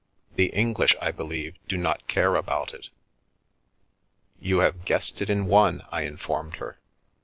" The English, I believe, do not care about it." " You have guessed it in one," I informed her.